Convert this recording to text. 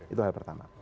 itu hal pertama